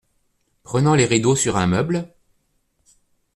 Prenant les rideaux sur un meuble.